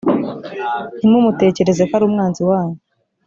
ntimumutekereze ko ari umwanzi wanyu